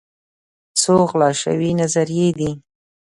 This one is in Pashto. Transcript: څو غلا شوي نظريې دي